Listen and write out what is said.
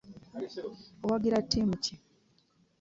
Owagira ttimu ki?